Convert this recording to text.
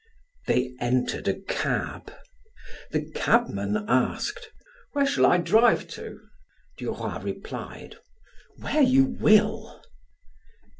They entered a cab. The cabman asked: "Where shall I drive to?" Duroy replied: "Where you will!"